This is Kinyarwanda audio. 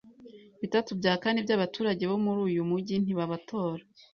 Bitatu bya kane byabaturage bo muri uyu mujyi ntibatora. )